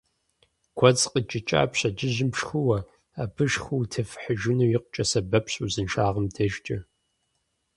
Гуэдз къикӏыкӏа пщэдджыжьым пшхыуэ, абы шху утефыхьыжыну икъукӏэ сэбэпщ узыншагъэм дежкӏэ.